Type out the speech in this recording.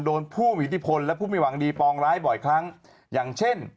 โดนผู้มีอิทธิพลและผู้ไม่หวังดีปองร้ายบ่อยครั้งอย่างเช่น